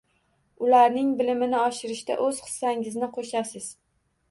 Ularning bilimini oshirishda o‘z hissangizni qo‘shasiz.